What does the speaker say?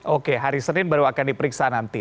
oke hari senin baru akan diperiksa nanti